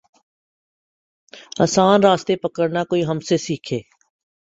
آسان راستے پکڑنا کوئی ہم سے سیکھے۔